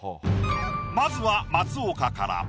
まずは松岡から。